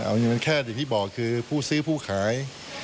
อันนี้มันแค่ที่ประมาณที่บอกคือผู้ซื้อผู้ขาย